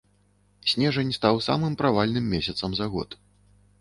Снежань стаў самым правальным месяцам за год.